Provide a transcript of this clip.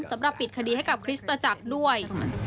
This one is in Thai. สำหรับปิดคดีให้กับคริสตจักรด้วย